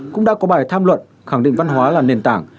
cũng đã có bài tham luận khẳng định văn hóa là nền tảng